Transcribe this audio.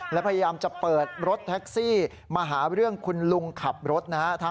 และพยายามจะเปิดรถแท็กซี่มาหาเรื่องคุณลุงขับรถนะฮะ